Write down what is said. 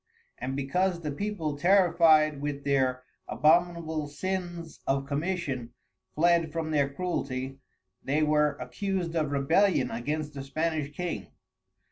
And because the People terrified with their abominable Sins of Commission, fled from their Cruelty, they were accused of Rebellion against the Spanish King.